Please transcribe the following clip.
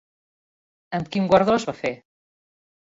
Amb quin guardó es va fer?